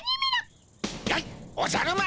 やいおじゃる丸！